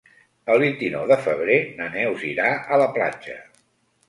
El vint-i-nou de febrer na Neus irà a la platja.